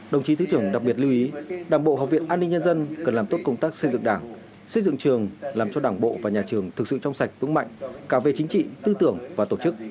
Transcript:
đồng chí thứ trưởng đặc biệt lưu ý đảng bộ học viện an ninh nhân dân cần làm tốt công tác xây dựng đảng xây dựng trường làm cho đảng bộ và nhà trường thực sự trong sạch vững mạnh cả về chính trị tư tưởng và tổ chức